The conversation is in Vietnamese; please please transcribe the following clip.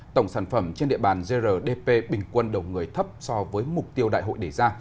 tổng sản phẩm trên địa bàn grdp bình quân đầu người thấp so với mục tiêu đại hội đề ra